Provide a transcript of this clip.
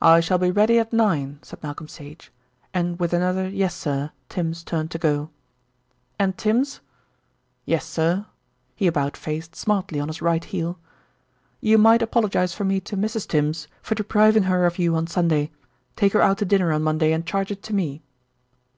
"I shall be ready at nine," said Malcolm Sage, and with another "Yessir" Tims turned to go. "And Tims." "Yessir." He about faced smartly on his right heel. "You might apologise for me to Mrs. Tims for depriving her of you on Sunday. Take her out to dinner on Monday and charge it to me."